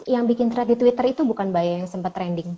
yang bikin thread di twitter itu bukan mbak ya yang sempet trending